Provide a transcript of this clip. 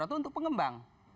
atau untuk pengembang